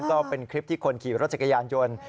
ก็เป็นคลิปที่คนขี่รถจักรยานยนต์